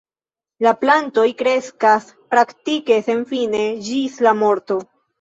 La plantoj kreskas praktike senfine, ĝis la morto.